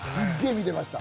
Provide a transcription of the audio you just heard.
見てました。